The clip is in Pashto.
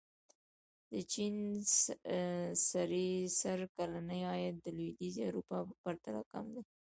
د چین سړي سر کلنی عاید د لوېدیځې اروپا په پرتله کم دی.